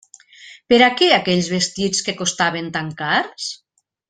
Per a què aquells vestits que costaven tan cars?